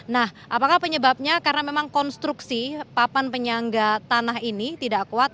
nah apakah penyebabnya karena memang konstruksi papan penyangga tanah ini tidak kuat